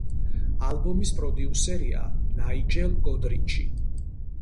ალბომის პროდიუსერია ნაიჯელ გოდრიჩი.